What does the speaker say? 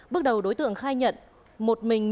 bước đầu đối tượng khai nhận